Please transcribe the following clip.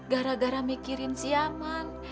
gara gara mikirin si yaman